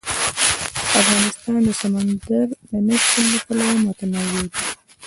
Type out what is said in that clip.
افغانستان د سمندر نه شتون له پلوه متنوع دی.